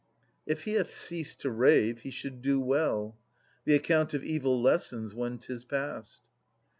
If he hath ceased to rave, he should do well. The account of evil lessens when 'tis past.